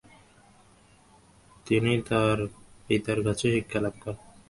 তিনি তার পিতার কাছে শিক্ষালাভ করেন।